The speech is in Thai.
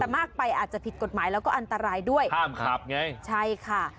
แต่มากไปอาจจะผิดกฎหมายแล้วก็อันตรายด้วยห้ามขับไงใช่ค่ะ